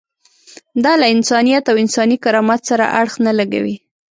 دا له انسانیت او انساني کرامت سره اړخ نه لګوي.